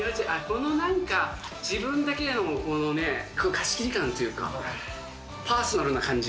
このなんか、自分だけの貸し切り感というか、パーソナルな感じ。